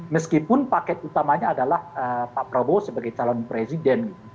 meskipun paket utamanya adalah pak prabowo sebagai calon presiden